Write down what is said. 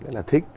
rất là thích